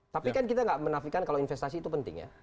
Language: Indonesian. tapi kan kita nggak menafikan kalau investasi itu penting ya